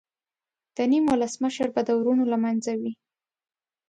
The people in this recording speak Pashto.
د نیم ولس مشر به د ورونو له منځه وي.